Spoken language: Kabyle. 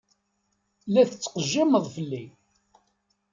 La tettqejjimeḍ fell-i.